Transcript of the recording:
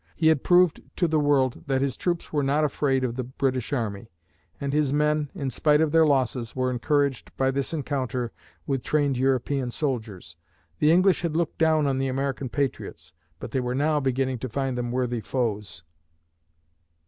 He had proved to the world that his troops were not afraid of the British army, and his men, in spite of their losses, were encouraged by this encounter with trained European soldiers. The English had looked down on the American patriots, but they were now beginning to find them worthy foes.